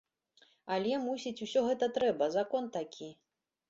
Але, мусіць, усё гэта трэба, закон такі.